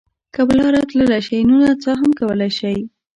که په لاره تللی شئ نو نڅا هم کولای شئ.